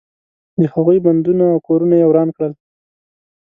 د هغوی بندونه او کورونه یې وران کړل.